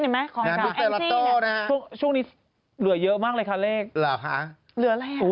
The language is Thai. มันใกล้แล้วอย่างไรมันใกล้แล้ว